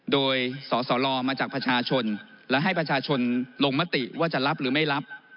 โดยสสลมาจากประชาชนและให้ประชาชนลงมติว่าจะรับหรือไม่รับ